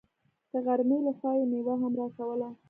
د غرمې له خوا يې مېوه هم راکوله.